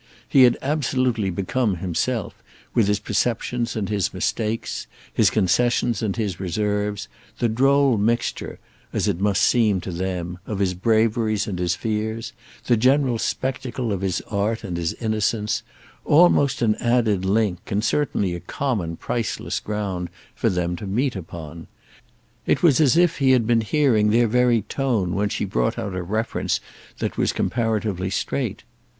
He had absolutely become, himself, with his perceptions and his mistakes, his concessions and his reserves, the droll mixture, as it must seem to them, of his braveries and his fears, the general spectacle of his art and his innocence, almost an added link and certainly a common priceless ground for them to meet upon. It was as if he had been hearing their very tone when she brought out a reference that was comparatively straight.